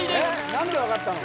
何で分かったの？